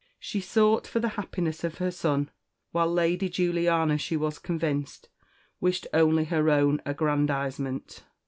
She sought for the happiness of her son, while Lady Juliana, she was convinced, wished only her own aggrandisement.